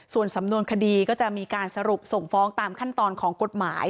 ส่วนสำนวนคดีก็จะมีการสรุปส่งฟ้องตามขั้นตอนของกฎหมาย